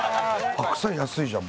白菜安いじゃん